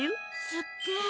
すっげえ。